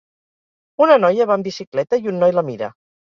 Una noia va amb bicicleta i un noi la mira